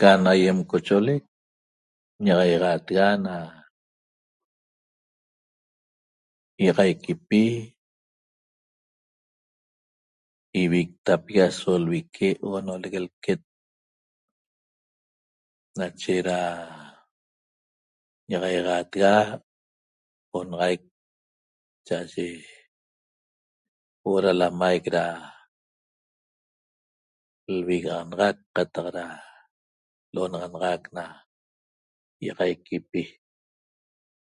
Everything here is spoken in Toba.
Can aýem cocho'olec ña'axaixaatega na ýi'axaiquipi ivictapigui aso lvique oonolec lquet nache da ña'axaixaatega onaxaic cha'aye huo'o da lamaic da lvigaxanaxac qataq da l'onaxanaxac na ýi'axaiquipi